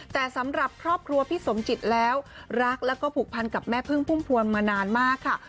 แต่สำหรับครอบครัวพี่สมจิตแล้วรักแล้วก็ผูกพันกับแม่พึ่งพุ่มพวงมานานมากค่ะ